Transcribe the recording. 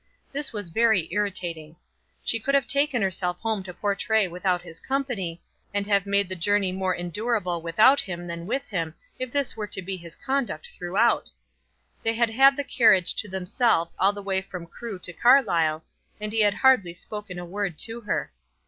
This was very irritating. She could have taken herself home to Portray without his company, and have made the journey more endurable without him than with him, if this were to be his conduct throughout. They had had the carriage to themselves all the way from Crewe to Carlisle, and he had hardly spoken a word to her.